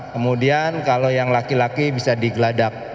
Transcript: kemudian kalau yang laki laki bisa digeladak